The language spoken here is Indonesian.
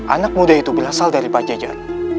anak muda itu berasal dari pajajar